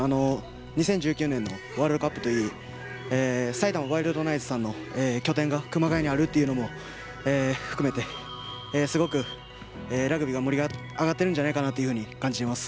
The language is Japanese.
２０１９年のワールドカップといい埼玉ワイルドナイツさんの拠点が熊谷にあるというのも含めてすごくラグビーが盛り上がってるんじゃないかと感じます。